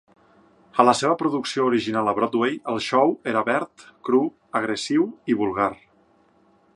A la seva producció original a Broadway, el show era verd, cru, agressiu i vulgar.